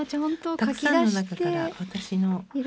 たくさんの中から私の。